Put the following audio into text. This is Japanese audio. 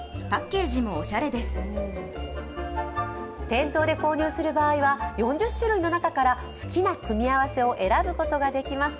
店頭で購入する場合は４０種類の中から好きな組み合わせを選ぶことができます。